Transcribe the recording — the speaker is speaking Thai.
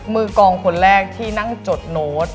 มือกองคนแรกที่นั่งจดโน้ต